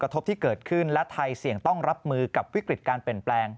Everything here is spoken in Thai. ที่เกิดขึ้นและไทยเสี่ยงต้องรับมือกับวิกฤตการเปลี่ยนแปลง